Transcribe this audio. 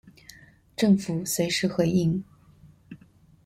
政府隨時回應